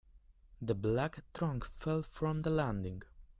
The black trunk fell from the landing.